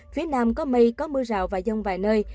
phía nam có mây có mưa rào và rông vài nơi